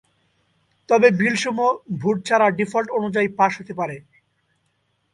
তবে বিল সমূহ ভোট ছাড়া ডিফল্ট অনুযায়ী পাস হতে পারে।